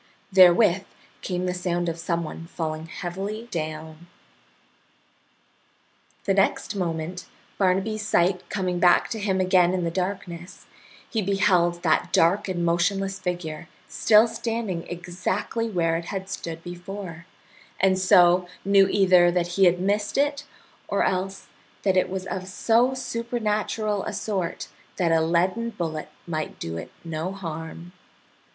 Therewith came the sound of some one falling heavily down. The next moment, Barnaby's sight coming back to him again in the darkness, he beheld that dark and motionless figure still standing exactly where it had stood before, and so knew either that he had missed it or else that it was of so supernatural a sort that a leaden bullet might do it no harm.